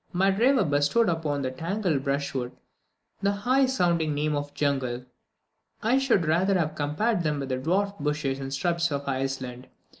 My driver bestowed upon this tangled brushwood the high sounding name of jungle. I should rather have compared them with the dwarfed bushes and shrubs of Iceland.